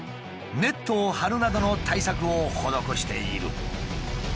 ネットを張るなどの対策を施している。